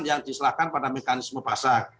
yang diserahkan pada mekanisme pasar